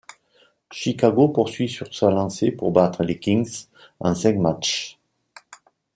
Chicago poursuit sur sa lancée pour battre les Kings en cinq matchs.